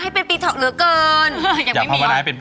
แม่บ้านพระจันทร์บ้าน